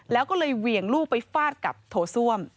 แล้วก็เลยเหวี่ยงลูกไปฟาดกับโถส้วม